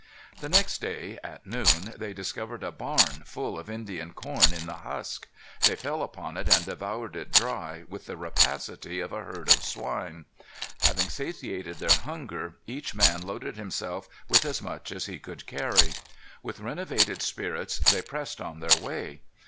The next day, at noon, they discovered a barn, full of Indian corn in the husk. They fell upon it and devoured it dry, with the rapacity of a herd of swine. Having satiated their hunger, each man loaded himself with as much as he could carry. With renovated spirits, they pressed on their way.